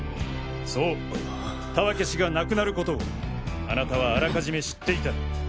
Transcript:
そう田分氏が亡くなることをあなたはあらかじめ知っていた。